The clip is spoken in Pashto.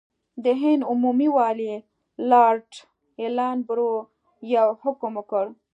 د هند عمومي والي لارډ ایلن برو یو حکم وکړ.